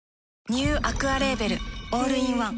ニューアクアレーベルオールインワン